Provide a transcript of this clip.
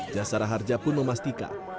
jasara harja pun memastikan